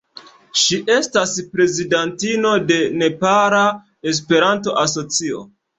Ŝi estas prezidantino de Nepala Esperanto-Asocio.